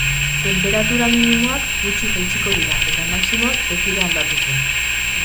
Tenperatura minimoak gutxi jaitsiko dira eta maximoak ez dira aldatuko.